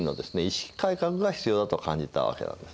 意識改革が必要だと感じたわけなんですね。